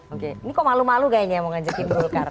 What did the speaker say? ini kok malu malu kayaknya mau nganjakin bulkar